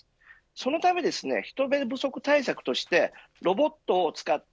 そのため人手不足対策としてのロボットを使った。